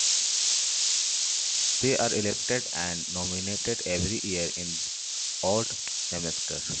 They are elected and nominated every year in odd semesters.